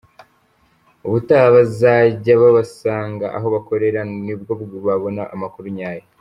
Ubutaha bazajya babasanga aho bakorera ni bwo babona amakuru nyayo”.